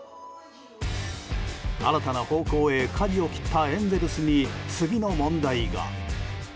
新たな方向へかじを切ったエンゼルスに次の問題が。